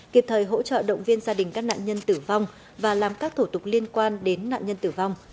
kịp thời hỗ trợ động viên gia đình các nạn nhân tử vong và làm các thủ tục liên quan đến nạn nhân tử vong